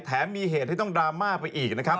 แถมมีเหตุที่ต้องดราม่าไปอีกนะครับ